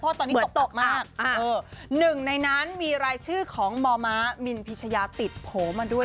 เพราะตอนนี้ตกตกมากหนึ่งในนั้นมีรายชื่อของมมมินพิชยาติดโผล่มาด้วย